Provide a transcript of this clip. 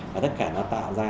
và tất cả nó tạo ra